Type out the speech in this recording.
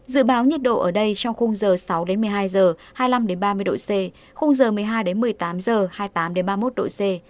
dự báo nhiệt độ ở đây trong khung giờ sáu một mươi hai giờ hai mươi năm ba mươi độ c khung giờ một mươi hai một mươi tám h hai mươi tám ba mươi một độ c